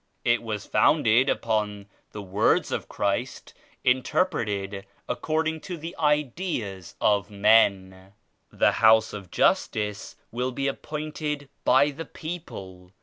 It was founded upon the Words of Christ interpreted according to the ideas of men. The House of Justice will be appointed by the people.